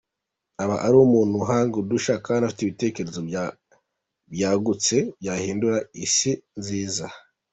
Aba ari umuntu uhanga udushya kandi ufite ibitekerezo byagutse byahindura Isi nziza.